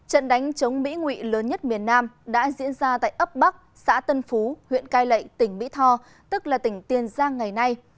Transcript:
rôn vào những khu cách ly như thế này